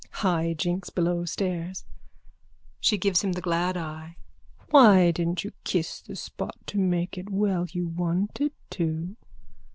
_ High jinks below stairs. (She gives him the glad eye.) Why didn't you kiss the spot to make it well? You wanted to.